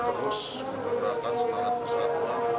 untuk terus mengerakkan semangat kesatuan